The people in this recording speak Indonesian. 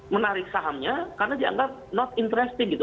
menarik sahamnya karena dianggap not interesting gitu